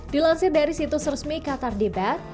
dilansir dari situs resmi qatar debat